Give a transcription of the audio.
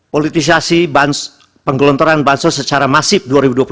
politisasi penggelontoran bansos secara masif dua ribu dua puluh